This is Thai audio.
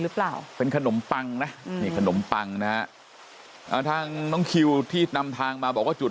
หรือเปล่าเป็นขนมปังนะนี่ขนมปังนะฮะทางน้องคิวที่นำทางมาบอกว่าจุด